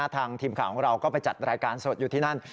ทางทีมข่าวของเราก็ไปจัดรายการสดอยู่ที่นั่น